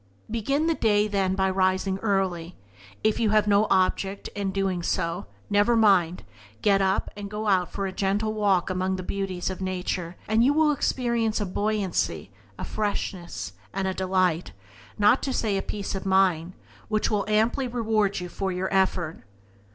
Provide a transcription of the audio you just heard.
Begin the day, then, by rising early. If you have no object in doing so, never mind; get up, and go out for a gentle walk among the beauties of nature, and you will experience a buoyancy, a freshness, and a delight, not to say a peace of mind, which will amply reward you for your effort.